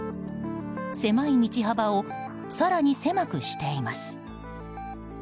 狭い道幅を更に狭くしています。